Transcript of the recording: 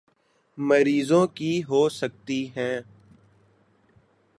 مریضوں کی ہو سکتی ہیں